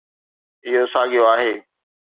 اهو ساڳيو آهي.